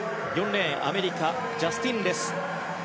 ４レーン、アメリカジャスティン・レス。